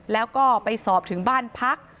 แล้วก็ไปสอบถึงบ้านพัก